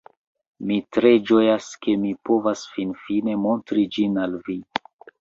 Mi tre ĝojas, ke mi povas finfine montri ĝin al vi